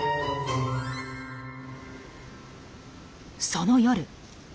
その夜。